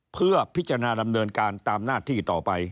เพื่อพิจารณาดำเนินการตามหน้าที่ต่อไป